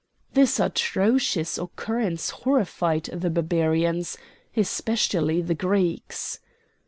This atrocious occurrence horrified the Barbarians, especially the Greeks.